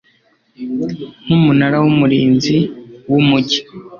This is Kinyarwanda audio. Nkumunara wumurinzi wumujyi